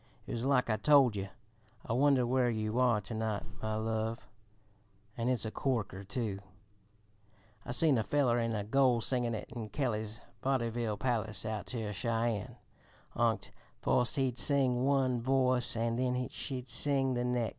"It was like I told yer; 'I Wonder Where You Are To night, My Love,' and it's a corker, too! I seen a feller an' a goil sing it in Kelly's Voddyville Palace out ter Cheyenne onct. Foist he'd sing one voise an' then she'd sing the nex'.